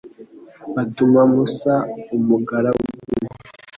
Atuma Musa umugaragu we